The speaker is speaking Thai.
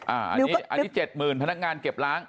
อันนี้๗๐๐พนักงานเก็บล้าง